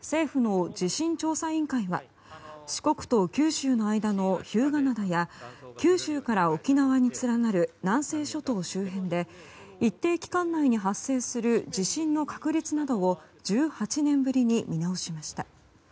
政府の地震調査委員会は四国と九州の間の日向灘や九州から沖縄に連なる南西諸島周辺で一定期間内に発生する地震の確率などを１８年ぶりに見直しました。